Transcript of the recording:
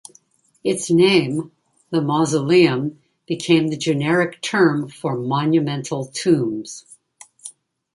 Its name, the Mausoleum, became the generic term for monumental tombs.